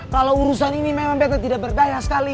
kalau urusan ini memang benar tidak berdaya sekali